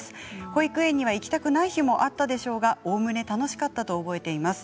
保育園には行きたくない日もあったでしょうが、おおむね楽しかったと覚えています。